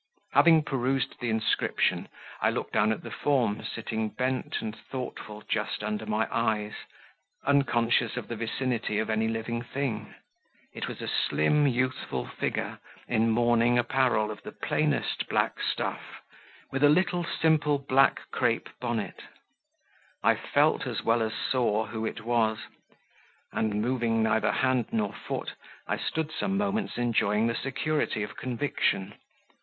Having perused the inscription, I looked down at the form sitting bent and thoughtful just under my eyes, unconscious of the vicinity of any living thing; it was a slim, youthful figure in mourning apparel of the plainest black stuff, with a little simple, black crape bonnet; I felt, as well as saw, who it was; and, moving neither hand nor foot, I stood some moments enjoying the security of conviction.